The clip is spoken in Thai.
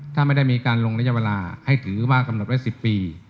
ถ้าไม่ได้มีการลงระยะเวลาให้ถือว่ากำหนดไว้๑๐ปี